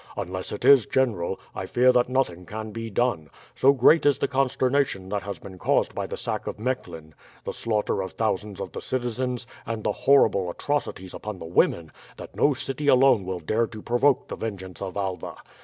Unless it is general, I fear that nothing can be done. So great is the consternation that has been caused by the sack of Mechlin, the slaughter of thousands of the citizens, and the horrible atrocities upon the women, that no city alone will dare to provoke the vengeance of Alva.